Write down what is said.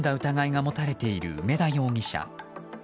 疑いが持たれている梅田容疑者。